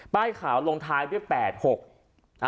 ป้ายข่าวลงท้ายเป็น๘๖